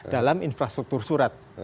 dalam infrastruktur surat